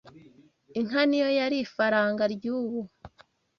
Inka niyo yari ifaranga ry,ubu